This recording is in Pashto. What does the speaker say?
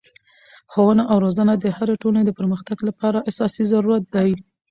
ښوونه او روزنه د هري ټولني د پرمختګ له پاره اساسي ضرورت دئ.